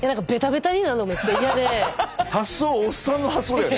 発想おっさんの発想だよね。